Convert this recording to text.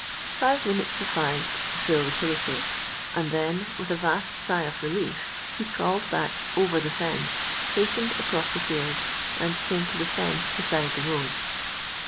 Five minutes sufficed to fill the pillow slip, and then, with a vast sigh of relief, he crawled back over the fence, hastened across the field, and came to the fence beside the road.